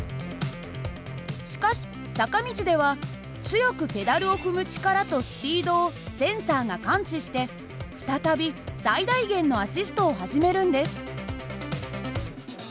しかし坂道では強くペダルを踏む力とスピードをセンサーが感知して再び最大限のアシストを始めるんです。